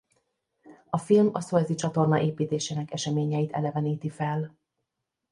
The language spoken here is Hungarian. A film a Szuezi-csatorna építésének eseményeit eleveníti fel.